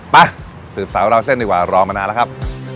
ไปสืบสาวราวเส้นดีกว่ารอมานานแล้วครับ